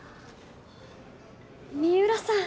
三浦さん。